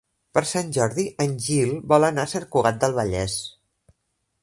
Per Sant Jordi en Gil vol anar a Sant Cugat del Vallès.